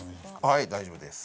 はい大丈夫です。